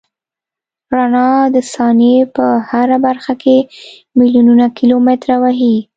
رڼا د ثانیې په هره برخه کې میلیونونه کیلومتره وهي.